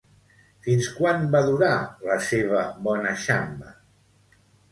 Fins quan va durar la seva bona xamba?